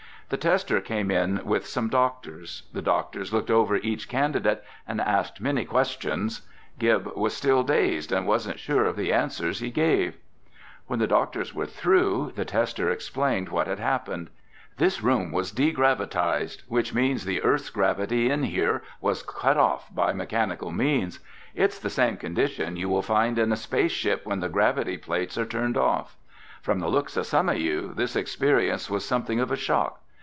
The tester came in with some doctors. The doctors looked over each candidate and asked many questions. Gib was still dazed and wasn't sure of the answers he gave. When the doctors were through, the tester explained what had happened: "This room was de gravitized, which means the Earth's gravity in here was cut off by mechanical means. It's the same condition you will find in a space ship when the gravity plates are turned off. From the looks of some of you, this experience was something of a shock.